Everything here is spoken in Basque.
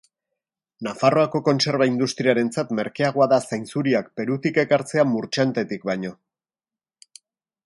Nafarroako kontserba industriarentzat merkeagoa da zainzuriak Perutik ekartzea Murchantetik baino.